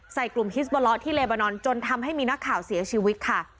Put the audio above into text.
ใส่กลุ่มฮิสบอลอสที่เลบานอนจนทำให้มีนักข่าวเสียชีวิตค่ะ